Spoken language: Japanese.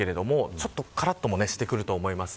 ちょっとからっとしてくると思います。